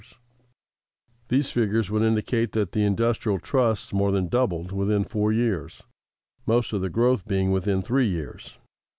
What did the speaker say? ] These figures would indicate that the industrial trusts more than doubled within four years, most of the growth being within three years.